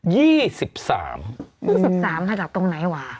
๒๓ข้างจากตรงไหนวะ